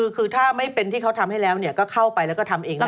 คือถ้าไม่เป็นที่เขาทำให้แล้วก็เข้าไปแล้วก็ทำเองได้